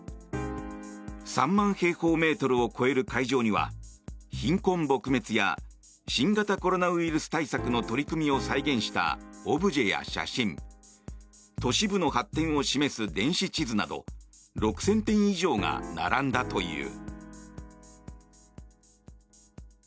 ３万平方メートルを超える会場には、貧困撲滅や新型コロナウイルス対策の取り組みを再現したオブジェや写真都市部の発展を示す電子地図など６０００点以上が並んだという。